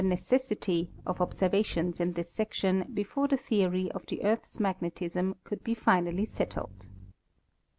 223 necessity, of observations in this section before the theory of the earth's magnetism could be finally settled.